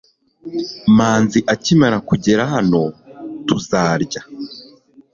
manzi akimara kugera hano, tuzarya